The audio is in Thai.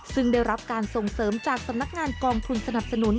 ซึ่งได้รับการส่งเสริมจากสำนักงานกองทุนสนับสนุน